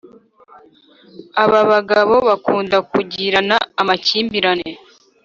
ababagabo bakunda kugirana amakimbirane